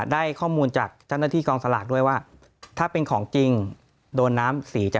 ได้ข้อมูลจากเจ้าหน้าที่กองสลากด้วยว่าถ้าเป็นของจริงโดนน้ำสีจาก